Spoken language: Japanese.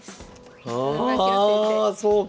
ああそうか！